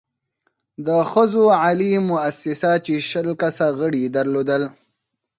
د ښځو عالي مؤسسه چې شل کسه غړې يې درلودل،